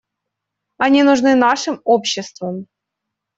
Они нужны нашим обществам.